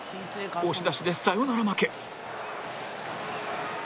押し出しでサヨナラ負け